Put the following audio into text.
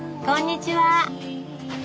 こんにちは。